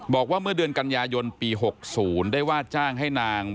บอกว่าเมื่อเดือนกันยายนปี๖๐ได้ว่าจ้างให้นาง